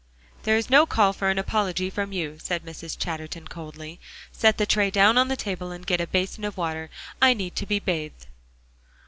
"There is no call for an apology from you," said Mrs. Chatterton coldly. "Set the tray down on the table, and get a basin of water; I need to be bathed."